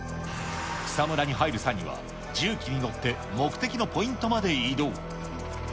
草むらに入る際には、重機に乗って目的のポイントまで移動。